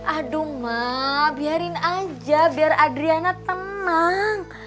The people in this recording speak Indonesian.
aduh ma biarin aja biar adriana tenang